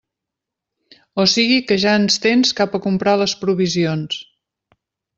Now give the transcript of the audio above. O sigui que ja ens tens cap a comprar les provisions.